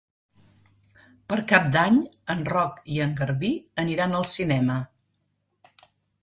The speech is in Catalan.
Per Cap d'Any en Roc i en Garbí aniran al cinema.